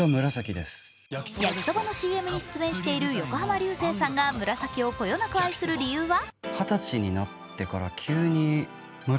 焼きそばのＣＭに出演している横浜流星さんが紫色をこよなく愛する理由は？